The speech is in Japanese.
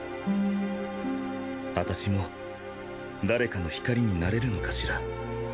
私も誰かの光になれるのかしら。